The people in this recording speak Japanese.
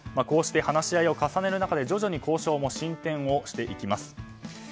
こうして話し合いを重ねる中で徐々に交渉も進展していきます。